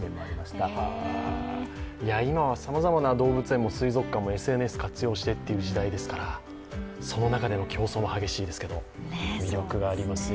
今はさまざまな動物園や水族館もＳＮＳを活用してという時代ですからその中での競争も激しいですけど、魅力がありますよ。